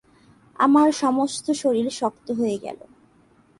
আমার সমস্ত শরীর শক্ত হয়ে গেল।